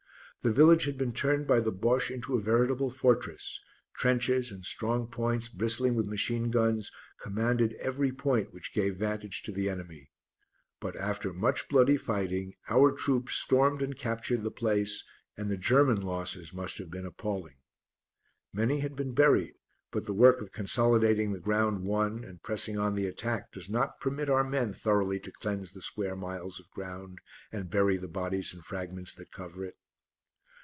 The village had been turned by the Bosche into a veritable fortress; trenches and strong points, bristling with machine guns, commanded every point which gave vantage to the enemy. But, after much bloody fighting, our troops stormed and captured the place and the German losses must have been appalling. Many had been buried, but the work of consolidating the ground won and pressing on the attack does not permit our men thoroughly to cleanse the square miles of ground and bury the bodies and fragments that cover it.